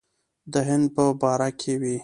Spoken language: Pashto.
د هند په باره کې وې.